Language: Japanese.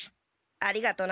ありがとな。